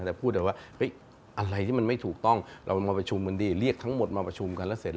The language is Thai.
แต่พูดแบบว่าเฮ้ยอะไรที่มันไม่ถูกต้องเรามาประชุมกันดีเรียกทั้งหมดมาประชุมกันแล้วเสร็จ